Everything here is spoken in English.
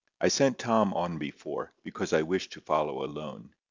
I sent Tom on before, because I wished to follow alone.